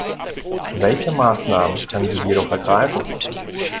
Welche Maßnahmen kann sie jedoch ergreifen?